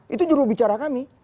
itu jurubicara kami